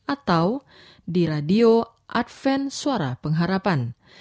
atau di radio advent suara pengharapan